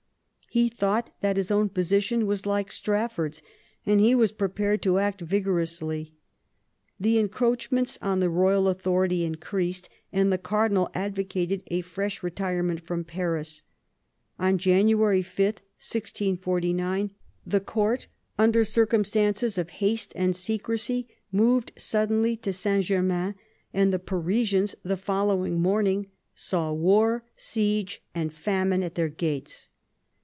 He thought that his own position was like Strafi^ord's, and he was prepared to act vigorously. The encroachments on the royal power increased, and the cardinal advocated a fresh retirement from Paris. On January 5, 1649, the court, under circumstances of haste and secrecy, moved suddenly to Saint Germain, and the Parisians the following morning "saw war, siege, and famine at their gates."